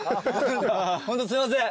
ホントすいません。